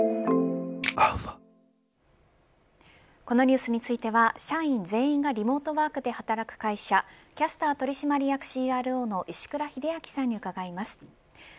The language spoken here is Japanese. このニュースについては社員全員がリモートワークで働く会社キャスター取締役ＣＲＯの石倉秀明さんに伺います。